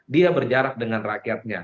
dia berjarak dengan rakyatnya